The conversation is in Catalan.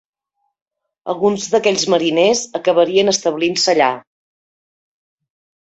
Alguns d'aquells mariners acabarien establint-se allà.